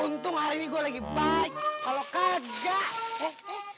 untung hari ini gua lagi baik kalau kerja ontong ho